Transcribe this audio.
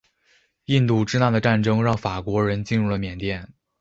印度支那的战争让法国人进入了缅甸。